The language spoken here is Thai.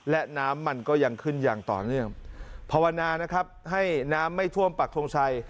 และน้ำมันก็ยังขึ้นอย่างต่อเนื่องภาวนานะครับให้น้ำไม่ท่วมปักทงชัย